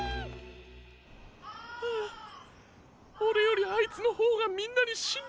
はあオレよりあいつのほうがみんなにしんらいされている。